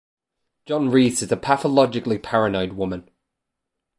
Joan Reiss is a pathologically paranoid woman.